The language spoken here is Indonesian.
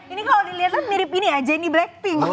ini kalau dilihat mirip ini aja ini blackpink